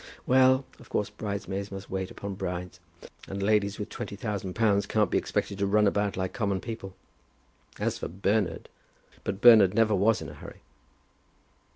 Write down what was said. Well; of course bridesmaids must wait upon brides. And ladies with twenty thousand pounds can't be expected to run about like common people. As for Bernard, but Bernard never was in a hurry."